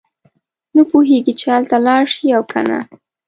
نه پوهېږي چې هلته لاړ شي او کنه.